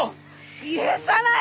許さない！